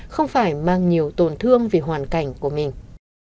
không phải mang nhiều tổn thương về hoàn cảnh của mình